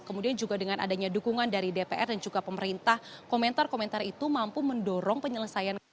kemudian juga dengan adanya dukungan dari dpr dan juga pemerintah komentar komentar itu mampu mendorong penyelesaian